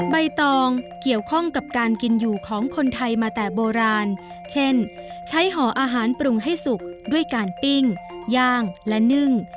ใบตองเกี่ยวข้องกับการกินอยู่ของคนไทยมาแต่โบราณเช่นใช้ห่ออาหารปรุงให้สุกด้วยการปิ้งย่างและนึ่ง